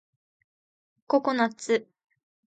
ココナッツ